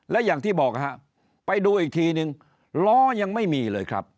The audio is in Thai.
และอย่างที่บอกฮะไปดูอีกทีนึงล้อยังไม่มีเลยครับ